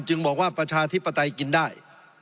บอกว่าประชาธิปไตยกินได้